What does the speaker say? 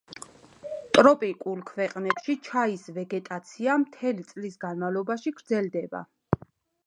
ტროპიკულ ქვეყნებში ჩაის ვეგეტაცია მთელი წლის განმავლობაში გრძელდება.